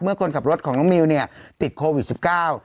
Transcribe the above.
คนขับรถของน้องมิวเนี่ยติดโควิดสิบเก้า